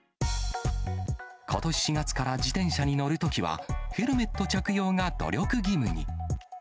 ことし４月から自転車に乗るときは、ヘルメット着用が努力義務に。